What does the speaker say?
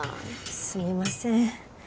すみません。